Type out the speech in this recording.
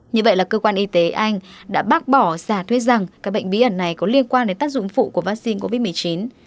như vậy là cơ quan y tế anh đã bác bỏ giả thuyết rằng các bệnh bí ẩn này có liên quan đến tác dụng phụ của vaccine covid một mươi chín